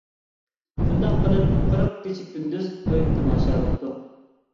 شۇنداق قىلىپ، قىرىق كېچە-كۈندۈز توي-تاماشا بوپتۇ.